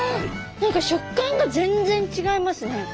何か食感が全然違いますね。